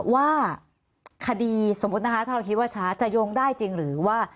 ว่าคดีสมมุตินะคะถ้าเราคิดว่าช้าจะโยงได้จริงหรือว่า